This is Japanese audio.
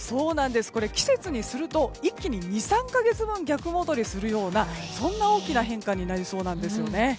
季節にすると一気に２３か月分逆戻りするような、そんな大きな変化になりそうなんですよね。